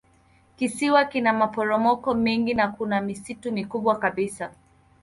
Kisiwa kina maporomoko mengi na kuna misitu mikubwa kabisa.